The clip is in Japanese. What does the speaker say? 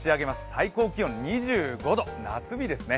最高気温が２５度、夏日ですね。